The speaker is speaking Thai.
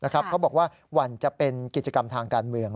เขาบอกว่าหวั่นจะเป็นกิจกรรมทางการเมือง